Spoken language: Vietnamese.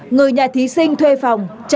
người nhà thí sinh thuê phòng